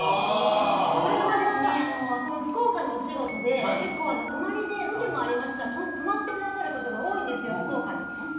これは福岡のお仕事で泊まりでロケもありますから泊まってくださることが多いんですよ、福岡で。